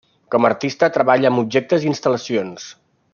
Com a artista treballa amb objectes i instal·lacions.